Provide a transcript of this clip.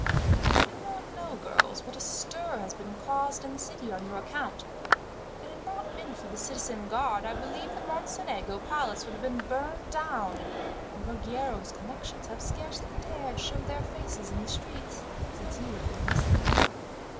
"You do not know, girls, what a stir has been caused in the city on your account. If it had not been for the citizen guard, I believe the Mocenigo Palace would have been burned down; and Ruggiero's connections have scarcely dared to show their faces in the streets, since you have been missing.